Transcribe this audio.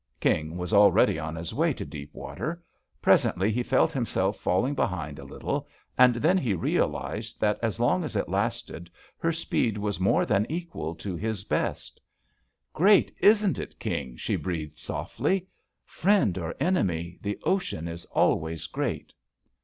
King was already on his way to deep water. Presently he felt himself falling behind a lit tle, and then he realized that as long as it lasted hvir speed was more than equal to his best. "Great, isn't it. King?" she breathed softly. "Friend or enemy, the ocean is always great."